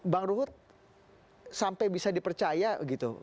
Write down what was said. bang ruhut sampai bisa dipercaya gitu